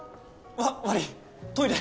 わ悪いトイレ。